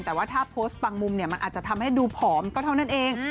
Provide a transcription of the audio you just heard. แต่ว่าถ้าโพสต์บางมุมเนี่ยมันอาจจะทำให้ดูผอมก็เท่านั้นเอง